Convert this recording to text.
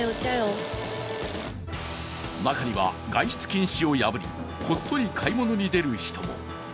中には外出禁止を破り、こっそり買い物に出る人も。